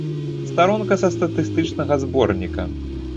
Старонка са статыстычнага зборніка.